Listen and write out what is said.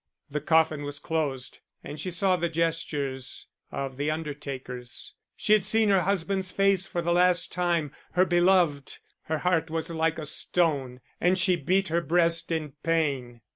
The coffin was closed, and she saw the gestures of the undertakers she had seen her husband's face for the last time, her beloved: her heart was like a stone, and she beat her breast in pain.